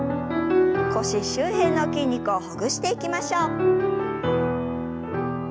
腰周辺の筋肉をほぐしていきましょう。